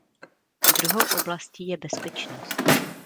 Druhou oblastí je bezpečnost.